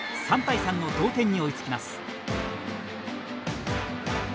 ３対３の同点に追いつきます。